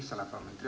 salah satu menteri